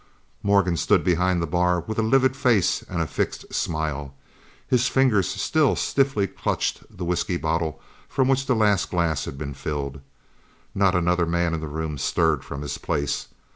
Morgan stood behind the bar with a livid face and a fixed smile. His fingers still stiffly clutched the whisky bottle from which the last glass had been filled. Not another man in the room stirred from his place.